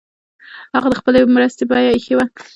هغه د خپلي مرستي بیه ایښې وه.